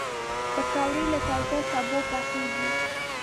پکورې له تازه سبو پخېږي